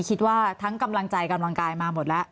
คิดว่าทั้งกำลังใจกำลังกายมาหมดแล้ว